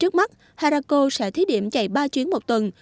trước mắt harako sẽ thí điểm chạy ba chuyến một tuần